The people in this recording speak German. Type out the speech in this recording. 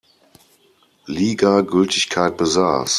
Liga Gültigkeit besaß.